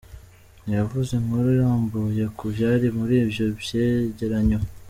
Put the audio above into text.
Ntiyavuze inkuru irambuye ku vyari muri ivyo vyegeranyo.